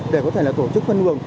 để có thể là tổ chức phân nguồn